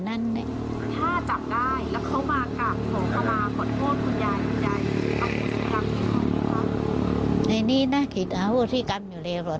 อันนี้น่าคิดพวกที่กำอยู่เล็กหรอก